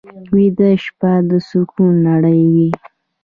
ویده شپه د سکوت نړۍ وي